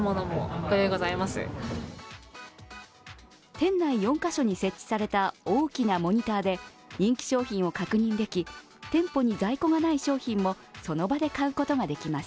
店内４カ所に設置された大きなモニターで人気商品を確認でき、店舗に在庫がない商品もその場で買うことができます。